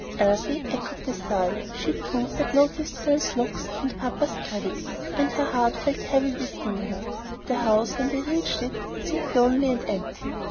Elsie echoed the sigh. She, too, had noticed Phil's looks and papa's gravity, and her heart felt heavy within her. The house, when they reached it, seemed lonely and empty.